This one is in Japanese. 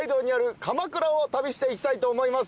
旅していきたいと思います。